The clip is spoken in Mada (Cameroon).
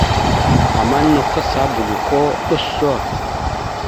Ama nakw kasaba goko ɗʉso.